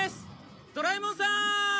ドラえもんさん！